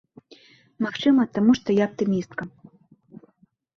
Магчыма, таму што я аптымістка.